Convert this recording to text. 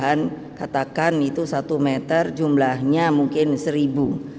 dan tumbuhan katakan itu satu meter jumlahnya mungkin seribu